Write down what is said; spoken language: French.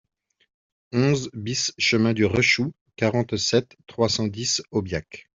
onze BIS chemin du Rechou, quarante-sept, trois cent dix, Aubiac